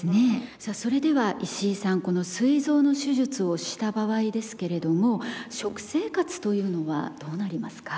さあそれでは石井さんこのすい臓の手術をした場合ですけれども食生活というのはどうなりますか？